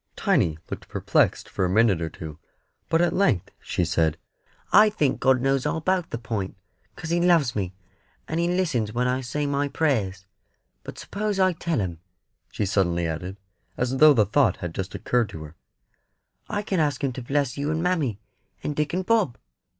Tiny looked perplexed for a minute or two, but at length she said: "I think God knows all about the Point, 'cos He loves me, and He listens when I say my prayers. But s'pose I tell him," she suddenly added, as though the thought had just occurred to her; "I can ask Him to bless you and mammy, and Dick and Bob.